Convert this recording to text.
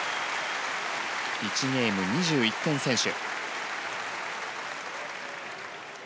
１ゲーム２１点先取。